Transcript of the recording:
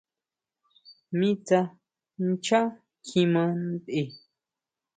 Mi tsá ʼnchan kjima ntʼe.